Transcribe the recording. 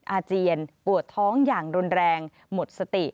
อาเจียนปวดท้องอย่างรุนแรงหมดสติ